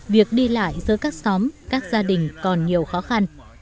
việc đi lại giữa các xóm các gia đình còn nhiều khó khăn